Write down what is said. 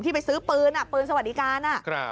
ไปซื้อปืนปืนสวัสดิการ